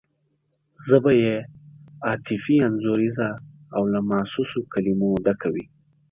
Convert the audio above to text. ژبه یې عاطفي انځوریزه او له محسوسو کلمو ډکه وي.